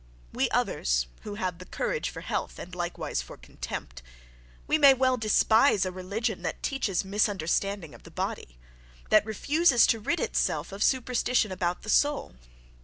We others, who have the courage for health and likewise for contempt,—we may well despise a religion that teaches misunderstanding of the body! that refuses to rid itself of the superstition about the soul!